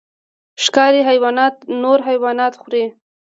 ښکاري حیوانات نور حیوانات خوري